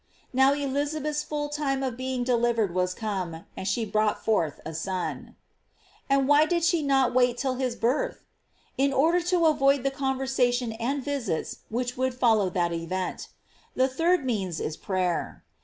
Now Elizabeth's full time of being delivered was come, and she brought forth a son."* And why did she not wait till his birth? In order to avoid the conversation and visits which would follow that event. The third means is prayer.